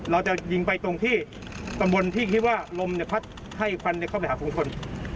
เราจะยิงไปตรงที่ตำบลที่คิดว่าลมพัดให้ควันเข้าไปหาฝุงชน